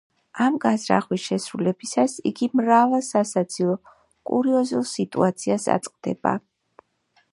ამ განზრახვის შესრულებისას იგი მრავალ სასაცილო, კურიოზულ სიტუაციას აწყდება.